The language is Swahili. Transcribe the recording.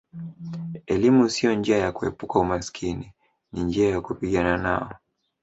Elimu sio njia ya kuepuka umaskini ni njia ya kupigana nao